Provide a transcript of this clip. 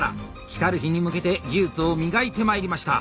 来る日に向けて技術を磨いてまいりました。